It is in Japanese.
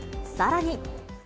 さらに。